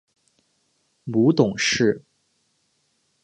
母董氏。